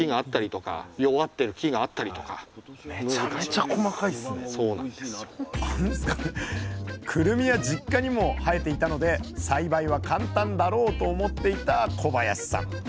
ちょっとこのくるみは実家にも生えていたので栽培は簡単だろうと思っていた小林さん。